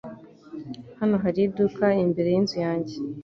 Hano hari iduka imbere yinzu yanjye.